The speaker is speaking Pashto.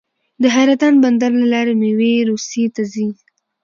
د حیرتان بندر له لارې میوې روسیې ته ځي.